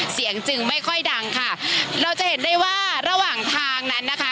จึงไม่ค่อยดังค่ะเราจะเห็นได้ว่าระหว่างทางนั้นนะคะ